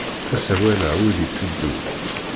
Asawal-a ur itteddu.